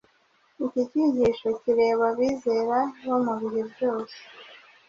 Iki cyigisho kireba abizera bo mu bihe byose.